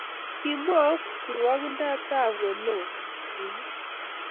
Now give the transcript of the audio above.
Kimwou kirwokindetab weloe bunyik.